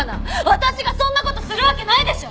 私がそんな事するわけないでしょ！